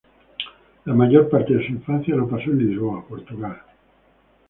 La mayor parte de su infancia lo pasó en Lisboa, Portugal.